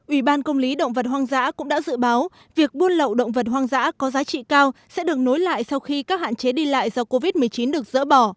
ủy ban công lý động vật hoang dã cũng đã dự báo việc buôn lậu động vật hoang dã có giá trị cao sẽ được nối lại sau khi các hạn chế đi lại do covid một mươi chín được dỡ bỏ